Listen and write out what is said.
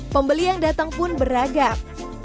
pembeli yang datang pun beragam